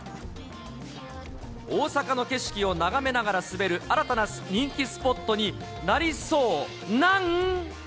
大阪の景色を眺めながら滑る新たな人気スポットになりそうなん。